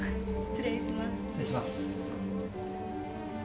失礼します。